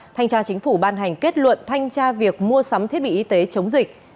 thanh tra chính phủ ban hành kết luận thanh tra việc mua sắm thiết bị y tế chống dịch